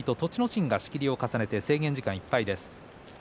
心が仕切りを重ねて、制限時間いっぱいです。